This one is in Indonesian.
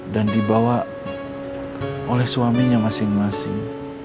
dan dibawa oleh suaminya masing masing